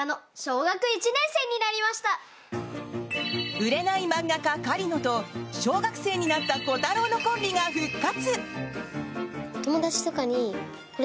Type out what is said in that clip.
売れない漫画家、狩野と小学生になったコタローのコンビが復活！